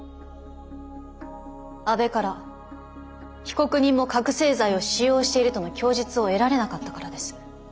阿部から被告人も覚醒剤を使用しているとの供述を得られなかったからです。